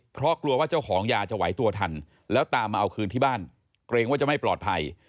เพราะกลัวว่าเจ้าของยาจะไหวตัวทันแล้วตามมาเอาคืนที่บ้านเกรงว่าจะไม่ปลอดภัย